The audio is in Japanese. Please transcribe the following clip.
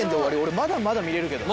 まだまだ見れる。